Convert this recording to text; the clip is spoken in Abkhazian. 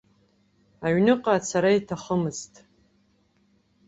Аҩныҟа ацара иҭахымызт.